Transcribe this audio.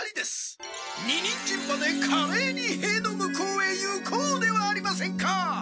二人人馬でかれいに塀の向こうへ行こうではありませんか！